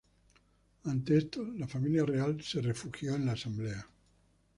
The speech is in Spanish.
Ante esto, la familia Real tomó refugio en la Asamblea.